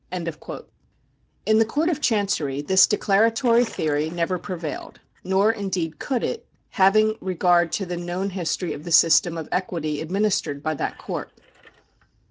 ^ In the Court of Chancery this declaratory theory never prevailed, nor indeed could it, having regard to the known history of the system of equity administered by that court.